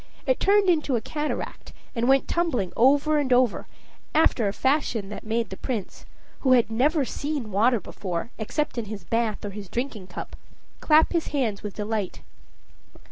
It turned into a cataract, and went tumbling over and over, after a fashion that made the prince who had never seen water before, except in his bath or his drinking cup clap his hands with delight.